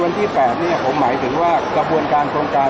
ซึ่งสิบล้านเนี่ยเขาจะมีสามคนอยู่ข้างบ้าน